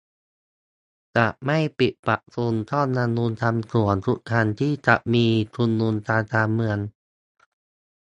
จะไม่ปิดปรับปรุงซ่อมบำรุงทำสวน ทุกครั้งที่จะมีชุมนุมทางการเมือง